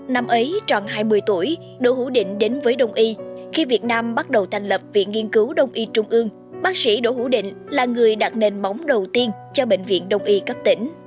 năm ấy tròn hai mươi tuổi đỗ hữu định đến với đông y khi việt nam bắt đầu thành lập viện nghiên cứu đông y trung ương bác sĩ đỗ hữu định là người đặt nền móng đầu tiên cho bệnh viện đông y cấp tỉnh